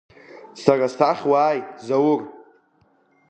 Сара сахь уааи, Заур…